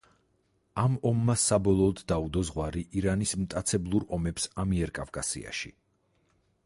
ამ ომმა საბოლოოდ დაუდო ზღვარი ირანის მტაცებლურ ომებს ამიერკავკასიაში.